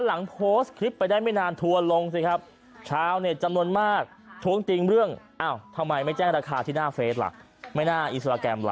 หลังโพสต์คลิปไปได้ไม่นานทัวร์ลงสิครับชาวเน็ตจำนวนมากท้วงติงเรื่องอ้าวทำไมไม่แจ้งราคาที่หน้าเฟสล่ะไม่น่าอินสตราแกรมเหรอ